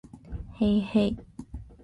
へいへい